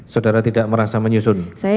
saudara tidak merasa menyusun